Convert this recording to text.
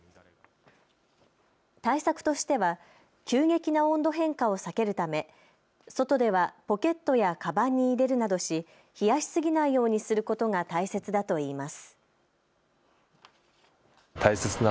対策としては急激な温度変化を避けるため外ではポケットやかばんに入れるなどし冷やしすぎないようにすることが大切だといいます。